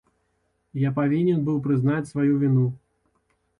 Я павінен быў прызнаць сваю віну.